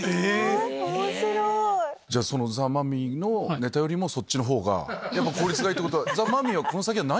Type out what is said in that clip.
えっ⁉じゃあザ・マミィのネタよりもそっちのほうが効率がいいってことは。